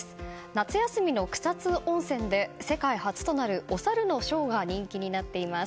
夏休みの草津温泉で世界初となるおさるのショーが人気になっています。